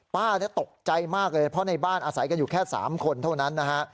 ป้าตกใจมากเลยเพราะในบ้านอาศัยกันอยู่แค่๓คนเท่านั้นนะฮะ